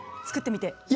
作ってみて。